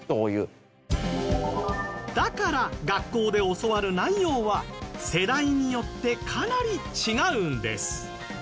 だから学校で教わる内容は世代によってかなり違うんです